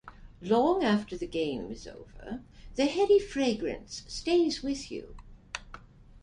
Long after the game is over, the heady fragrance stays with you.